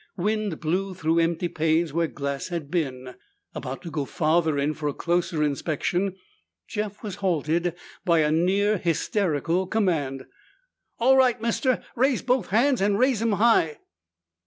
Wind blew through empty panes where glass had been. About to go farther in for a closer inspection, Jeff was halted by a near hysterical command. "All right, mister! Raise both hands and raise 'em high!"